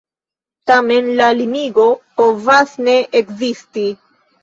Tamen, la limigo povas ne ekzisti.